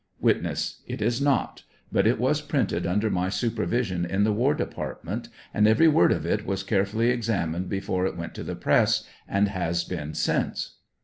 Witness. It is not; bat it was printed under my supervision in the War Department, and every word of it was carefully examined before it went to the press, and has been since.